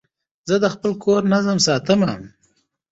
زه د خپل کور نظم ساتم.